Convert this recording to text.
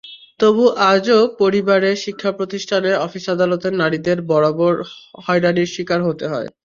তবু আজও পরিবারে, শিক্ষাপ্রতিষ্ঠানে, অফিস-আদালতে নারীদেরই বারবার হয়রানির শিকার হতে হয়।